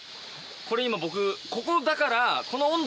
これ今僕ここだから。